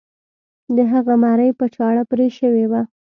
د هغه مرۍ په چاړه پرې شوې وه.